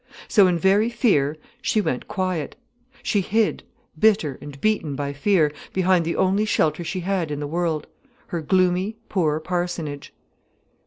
So in very fear, she went quiet. She hid, bitter and beaten by fear, behind the only shelter she had in the world, her gloomy, poor parsonage.